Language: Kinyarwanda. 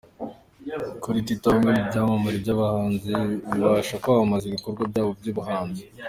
Kuri Twitter, bamwe mu byamamare by’abahanzi, bibasha kwamamaza ibikorwa byabo by’ubuhanzi.